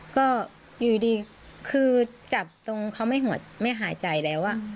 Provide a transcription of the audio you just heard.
ก็อยู่ดีคือจับตรงเขาไม่หัวไม่หายใจแล้ว